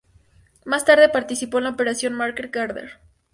Más tarde participó en la operación Market Garden.